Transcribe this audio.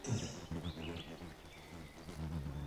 Actualmente, la estancia está dividida en dos plantas.